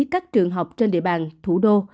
các trường học trên địa bàn thủ đô